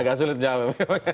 agak sulit menjawab